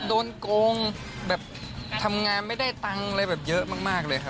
โดนโกงแบบทำงานไม่ได้ตังค์อะไรแบบเยอะมากเลยครับ